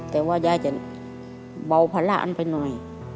แต่ว่ายายจะเบาภาระอันไปหน่อย